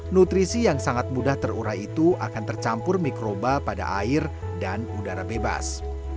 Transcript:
nutrisi yang sangat mudah terurai itu akan tercampur mikroba pada air dan udara bebas